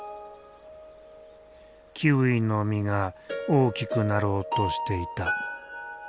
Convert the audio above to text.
キウイの実が大きくなろうとしていた。